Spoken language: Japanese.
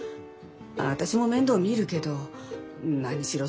私も面倒見るけど何しろ